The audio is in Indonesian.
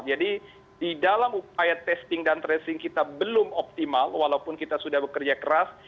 jadi di dalam upaya testing dan tracing kita belum optimal walaupun kita sudah bekerja keras